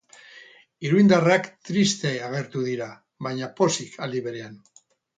Iruindarrak triste agertu dira, baina pozik aldi berean.